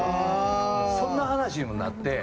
そんな話にもなって。